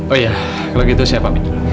oh iya kalau gitu saya pamit dulu